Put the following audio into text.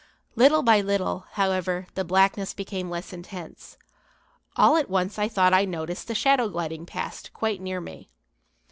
Little by little, however, the blackness became less intense. All at once I thought I noticed a shadow gliding past, quite near me.